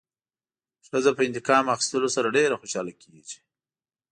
ښځه په انتقام اخیستلو سره ډېره خوشحاله کېږي.